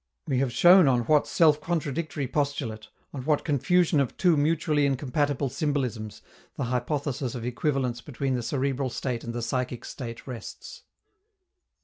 We have shown on what self contradictory postulate, on what confusion of two mutually incompatible symbolisms, the hypothesis of equivalence between the cerebral state and the psychic state rests.